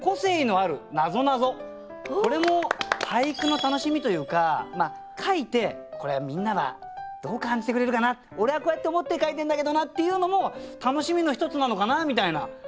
これも俳句の楽しみというか書いてこれみんなはどう感じてくれるかな俺はこうやって思って書いてんだけどなっていうのも楽しみの一つなのかなみたいな。